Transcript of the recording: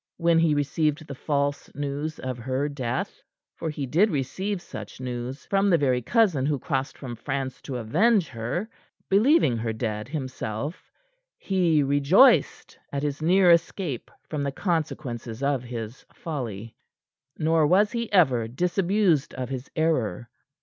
When he received the false news of her death for he did receive such news from the very cousin who crossed from France to avenge her, believing her dead himself he rejoiced at his near escape from the consequences of his folly. Nor was he ever disabused of his error.